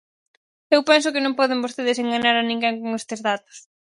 Eu penso que non poden vostedes enganar a ninguén con estes datos.